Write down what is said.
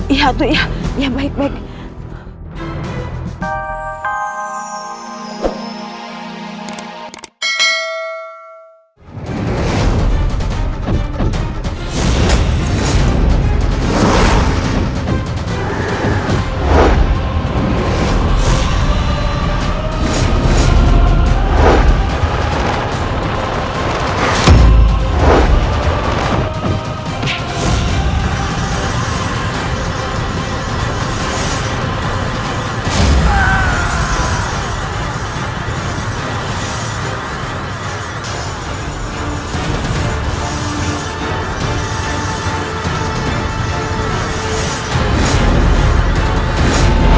iya tuh ya baik baik